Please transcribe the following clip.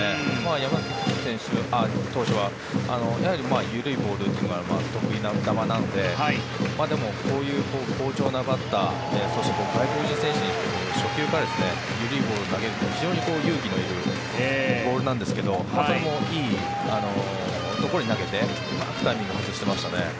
山崎投手というのはやはり緩いボールというのは得意玉なのででも、こういう好調なバッターそして外国人選手に初球から緩いボールを投げるって非常に勇気のいるボールなんですがそれもいいところに投げてタイミングを外していましたね。